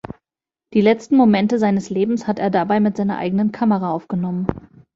Die letzten Momente seines Lebens hat er dabei mit seiner eigenen Kamera aufgenommen.